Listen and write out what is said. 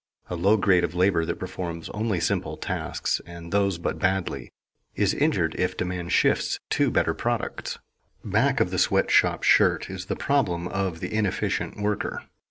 A low grade of labor that performs only simple tasks, and those but badly, is injured if demand shifts to better products. Back of the sweat shop shirt is the problem of the inefficient worker.